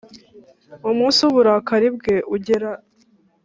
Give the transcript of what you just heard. umunsi w uburakari bwe ugera